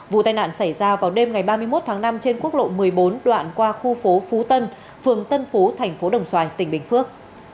vụ tai nạn xảy ra vào đêm ngày ba mươi một tháng năm trên quốc lộ một mươi bốn đoạn qua khu phố phú tân phường tân phú thành phố đồng xoài tỉnh bình phước